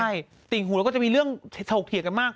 ใช่ติ่งหูแล้วก็จะมีเรื่องสะอุกเทียดกันมาก